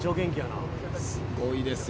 すごいですよ。